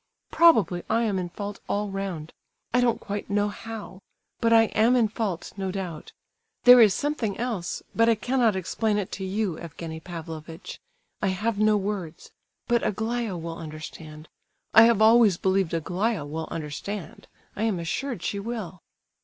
Probably I am in fault all round—I don't quite know how—but I am in fault, no doubt. There is something else, but I cannot explain it to you, Evgenie Pavlovitch. I have no words; but Aglaya will understand. I have always believed Aglaya will understand—I am assured she will."